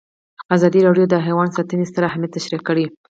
ازادي راډیو د حیوان ساتنه ستر اهميت تشریح کړی.